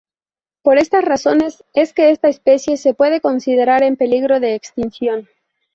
Por estas razones es que esta especie se puede considerar en peligro de extinción.